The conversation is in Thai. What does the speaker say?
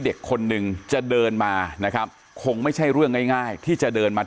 เด็กคนนึงจะเดินมานะครับคงไม่ใช่เรื่องง่ายง่ายที่จะเดินมา